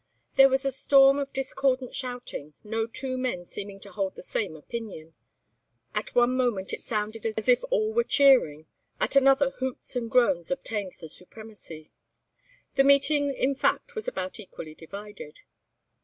There was a storm of discordant shouting, no two men seeming to hold the same opinion. At one moment it sounded as if all were cheering; at another hoots and groans obtained the supremacy. The meeting in fact was about equally divided.